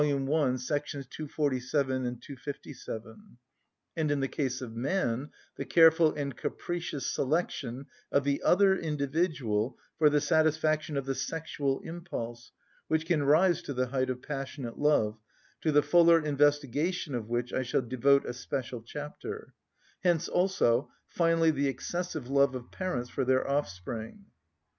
i. §§ 247, 257), and, in the case of man, the careful and capricious selection of the other individual for the satisfaction of the sexual impulse, which can rise to the height of passionate love, to the fuller investigation of which I shall devote a special chapter: hence also, finally the excessive love of parents for their offspring.